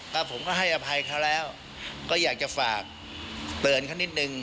ก็ผมก็ให้อภัยเขาแล้วก็อยากจะฝากเตือนเขานิดนึง